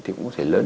thì cũng có thể lớn